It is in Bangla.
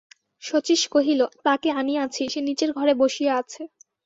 শচীশ কহিল, তাকে আনিয়াছি, সে নীচের ঘরে বসিয়া আছে।